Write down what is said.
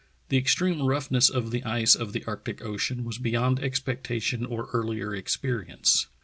The extreme roughness of the ice of the Arctic Ocean was beyond expectation or earlier experience.